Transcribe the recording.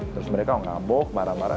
terus mereka ngabuk marah marah